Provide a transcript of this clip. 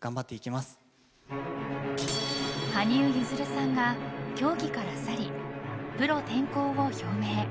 羽生結弦さんが競技から去りプロ転向を表明。